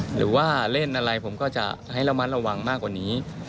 หรือว่าเล่นอะไรผมก็จะให้ระมัดระวังมากกว่านี้